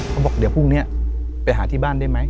เขาบอกเดี๋ยวพรุ่งนี้ไปหาที่บ้านได้ไหม